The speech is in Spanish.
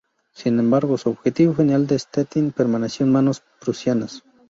Sin embargo, su objetivo final de Stettin permaneció en manos prusianas.